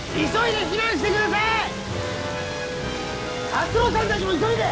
達郎さんたちも急いで！